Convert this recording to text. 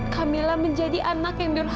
kamila menjadi anak yang durhana